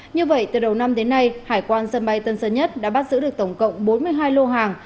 như vậy từ đầu năm đến nay hải quan sân bay tân sơn nhất đã bắt giữ được tổng cộng bốn mươi hai lô hàng